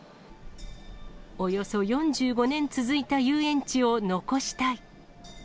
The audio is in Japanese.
およそ４５年続いた遊園地を残したい。